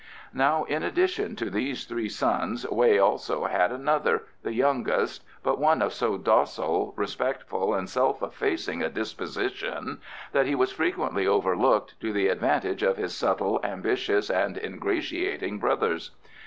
Now in addition to these three sons Wei also had another, the youngest, but one of so docile, respectful, and self effacing a disposition that he was frequently overlooked to the advantage of his subtle, ambitious, and ingratiating brothers.